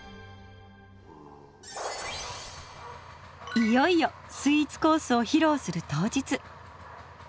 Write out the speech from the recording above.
いよいよスイーツコースをひろうする当日。